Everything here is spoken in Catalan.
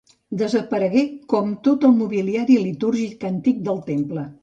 Desaparegué com tot el mobiliari litúrgic antic del temple.